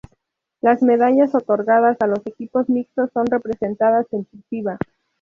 Las medallas otorgadas a los equipos mixtos son representadas en cursiva.